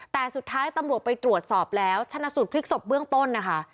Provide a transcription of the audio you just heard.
แต่สุดท้ายตำรวจไปตรวจสอบแล้วชนะสูตรพลิกศพเบื้องต้นนะคะ